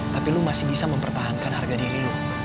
tapi lu masih bisa mempertahankan harga diri lo